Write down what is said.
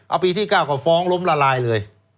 เอาปีที่๙ก็ฟ้องล้มละลายเลย